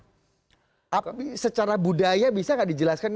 tapi secara budaya bisa nggak dijelaskan